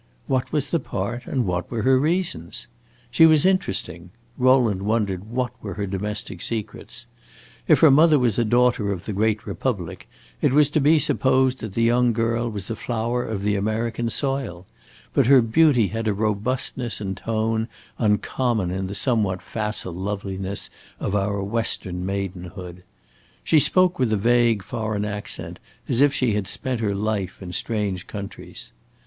What was the part and what were her reasons? She was interesting; Rowland wondered what were her domestic secrets. If her mother was a daughter of the great Republic, it was to be supposed that the young girl was a flower of the American soil; but her beauty had a robustness and tone uncommon in the somewhat facile loveliness of our western maidenhood. She spoke with a vague foreign accent, as if she had spent her life in strange countries.